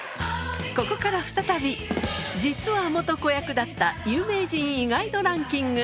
ここから再び実は子役だった有名人意外度ランキング